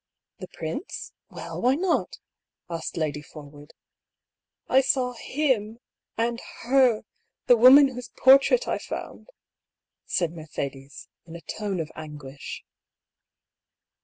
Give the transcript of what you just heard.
♦' The prince ? Well, why not ?" asked Lady For wood. " I saw Mm — and her — the woman whose portrait I found !" said Mercedes, in a tone of anguish.